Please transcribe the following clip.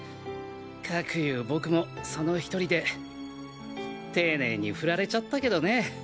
かく言う僕もその１人で丁寧にフラれちゃったけどね。